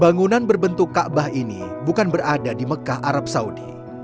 bangunan berbentuk ⁇ aabah ini bukan berada di mekah arab saudi